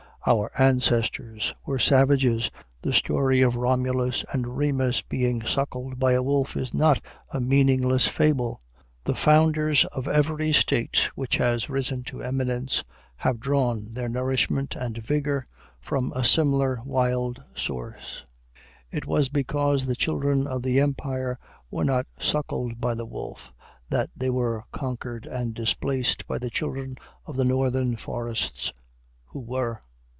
Our ancestors were savages. The story of Romulus and Remus being suckled by a wolf is not a meaningless fable. The founders of every State which has risen to eminence have drawn their nourishment and vigor from a similar wild source. It was because the children of the Empire were not suckled by the wolf that they were conquered and displaced by the children of the Northern forests who were.